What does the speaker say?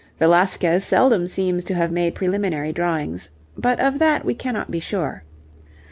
Velasquez seldom seems to have made preliminary drawings, but of that we cannot be sure.